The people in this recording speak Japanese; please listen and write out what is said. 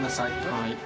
はい。